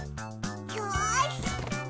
よし！